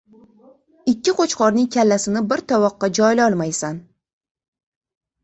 • Ikki qo‘chqorning kallasini bir tovoqqa joylolmaysan.